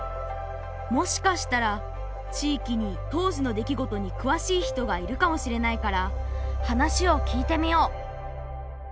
もしかしたら地域に当時の出来事にくわしい人がいるかもしれないから話を聞いてみよう。